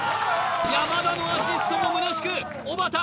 山田のアシストもむなしくおばた